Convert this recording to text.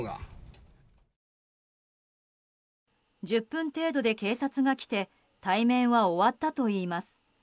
１０分程度で警察が来て対面は終わったといいます。